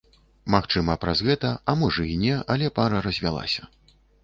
Магчыма, праз гэта, а можа і не, але пара развялася.